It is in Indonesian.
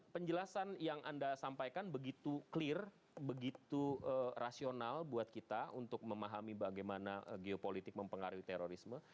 penjelasan yang anda sampaikan begitu clear begitu rasional buat kita untuk memahami bagaimana geopolitik mempengaruhi terorisme